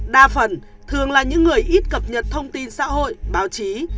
đa phần thường là những người ít cập nhật thông tin xã hội báo chí